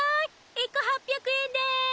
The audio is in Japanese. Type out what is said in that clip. １個８００円です。